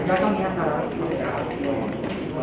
อ๋อไม่มีพิสิทธิ์